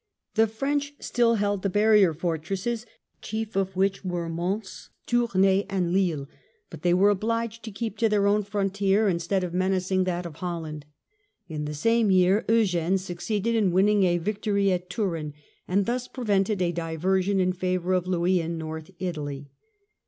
The French still held the barrier fortresses, chief of which were Mons, Tournai, and Lille; but they were obliged to keep to their own frontier instead of menacing that of Holland. In the same year Eugene succeeded in winning a vic tory at Turin, and thus prevented a diversion in favour of Louis in North Italy.